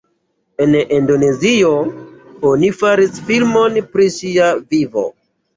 En Indonezio oni faris filmon pri ŝia vivo.